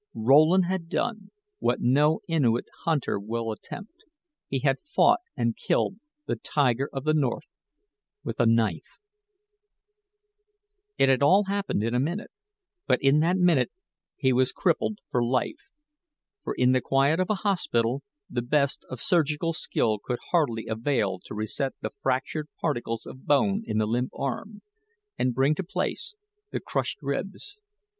Rowland had done what no Innuit hunter will attempt he had fought and killed the Tiger of the North with a knife. It had all happened in a minute, but in that minute he was crippled for life; for in the quiet of a hospital, the best of surgical skill could hardly avail to reset the fractured particles of bone in the limp arm, and bring to place the crushed ribs.